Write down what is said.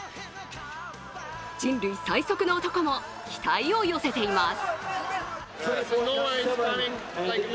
人類最速の男も期待を寄せています。